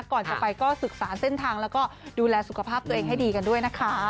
ก่อนจะไปก็ศึกษาเส้นทางแล้วก็ดูแลสุขภาพตัวเองให้ดีกันด้วยนะคะ